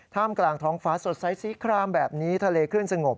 กลางท้องฟ้าสดใสสีครามแบบนี้ทะเลขึ้นสงบ